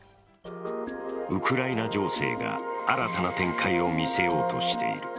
ウクライナ情勢が新たな展開を見せようとしている。